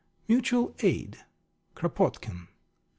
Mutual Aid, Kropotkin.